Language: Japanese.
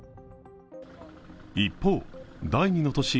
一方、第二の都市